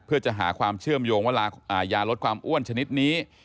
เพื่อจะหาความเชื่อมโยงว่ายาลดความอ้วนชนิดนี้